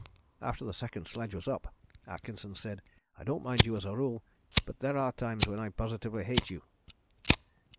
After the second sledge was up Atkinson said: 'I don't mind you as a rule, but there are times when I positively hate you.'"